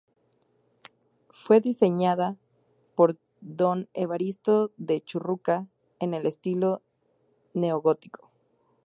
Fue diseñada por Don Evaristo de Churruca en el estilo neogótico.